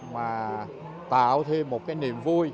mà tạo thêm một cái niềm vui